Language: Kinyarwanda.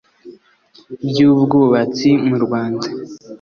by ubwubatsi mu Rwanda